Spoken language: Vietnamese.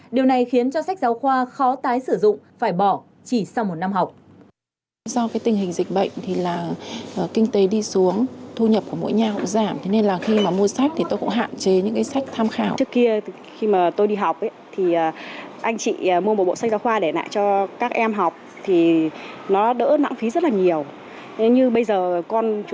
điều này khiến cho sách giáo khoa khó tái sử dụng phải bỏ chỉ sau một năm học